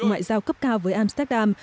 ngoại giao cấp cao với amsterdam